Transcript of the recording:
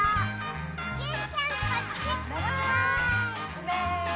うめ？